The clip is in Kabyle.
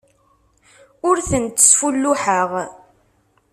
Ur tent-sfulluḥeɣ.